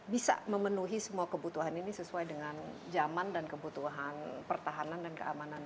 bisa memenuhi semua kebutuhan ini sesuai dengan zaman dan kebutuhan pertahanan dan keamanan